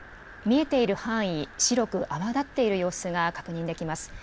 見えている範囲、白く泡立っている様子が確認できます。